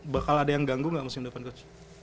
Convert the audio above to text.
bakal ada yang ganggu gak musim depan coach